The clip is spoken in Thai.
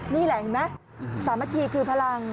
นี่แหละเห็นไหมสามัคคีคือพลัง